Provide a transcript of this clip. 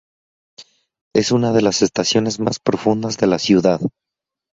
Es una de las estaciones más profundas de la ciudad.